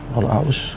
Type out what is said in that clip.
kalau itu haus